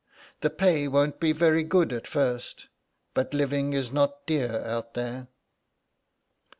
The pay won't be very good at first, but living is not dear out there."